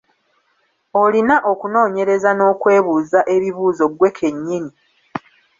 Olina okunoonyereza n’okwebuuza ebibuuzo ggwe kennyini.